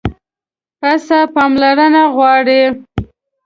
پسه پاملرنه غواړي.